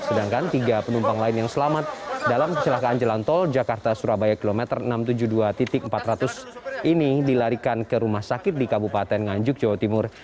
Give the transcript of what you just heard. sedangkan tiga penumpang lain yang selamat dalam kecelakaan jalan tol jakarta surabaya km enam ratus tujuh puluh dua empat ratus ini dilarikan ke rumah sakit di kabupaten nganjuk jawa timur